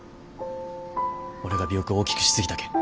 俺が尾翼を大きくしすぎたけん。